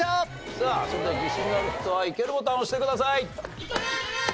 さあそれでは自信がある人はイケるボタンを押してください。